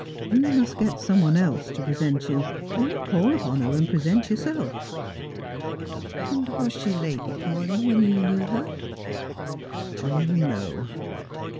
You must get some one else to present you, or call upon her and present your Belf." " "Was she Lady Paulyn when you knew her ?"" No."